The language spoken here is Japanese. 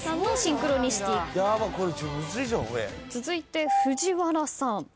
続いて藤原さん。